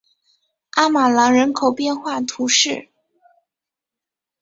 阿马朗人口变化图示